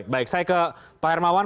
baik saya ke pak hermawan